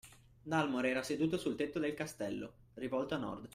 Dalmor era seduto sul tetto del castello, rivolto a nord